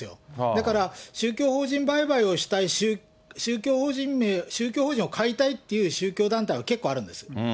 だから、宗教法人売買をしたい宗教法人を買いたいという宗教法人は、結構あるんです。